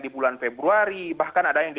di bulan februari bahkan ada yang di